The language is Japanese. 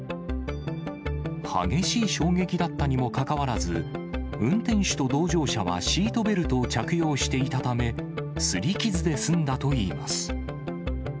激しい衝撃だったにもかかわらず、運転手と同乗者はシートベルトを着用していたため、すり傷で済んだといいます。